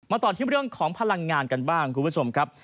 ต่อที่เรื่องของพลังงานกันบ้างคุณผู้ชมครับ